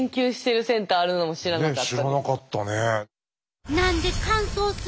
知らなかったね。